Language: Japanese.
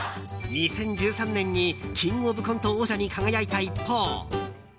２０１３年に「キングオブコント」王者に輝いた一方